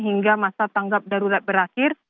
hingga masa tanggap darurat berakhir